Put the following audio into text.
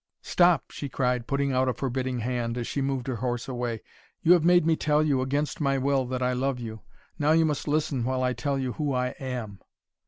"Stop!" she cried, putting out a forbidding hand, as she moved her horse away. "You have made me tell you, against my will, that I love you. Now you must listen while I tell you who I am."